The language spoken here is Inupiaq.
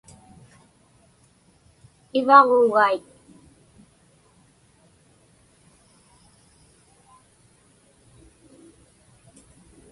Ivaġuugaik.